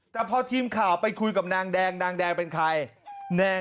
แต่พอทีมข่าวไปคุยกับนางแดงนางแดงเป็นใคร